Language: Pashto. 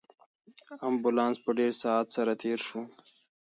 امبولانس په ډېر سرعت سره تېر شو.